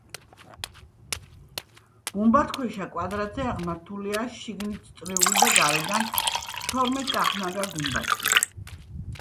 გუმბათქვეშა კვადრატზე აღმართულია შიგნით წრიული და გარედან თორმეტწახნაგა გუმბათი.